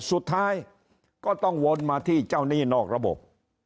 สุดท้ายก็ต้องวนมาที่เจ้าหนี้นอกระบบ